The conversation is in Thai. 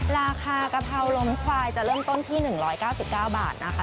ราคากะเพราลมควายจะเริ่มต้นที่๑๙๙บาทนะคะ